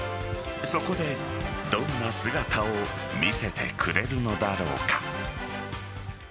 そこで、どんな姿を見せてくれるのだろうか。